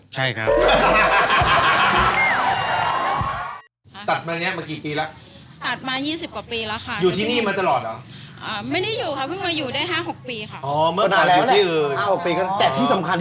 จากปกติหน้าเรานี่ทุเรศมาก